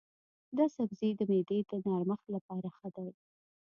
دا سبزی د معدې د نرمښت لپاره ښه دی.